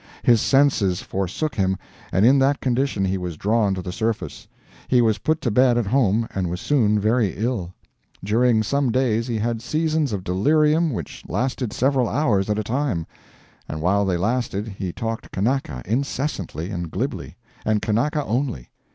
His senses forsook him, and in that condition he was drawn to the surface. He was put to bed at home, and was soon very ill. During some days he had seasons of delirium which lasted several hours at a time; and while they lasted he talked Kanaka incessantly and glibly; and Kanaka only.